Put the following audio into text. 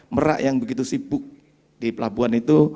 merak yang begitu sibuk di pelabuhan itu